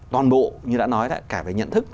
toàn bộ như đã nói cả về nhận thức